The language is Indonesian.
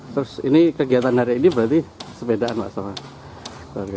terus ini kegiatan hari ini berarti sepedaan pak sama keluarga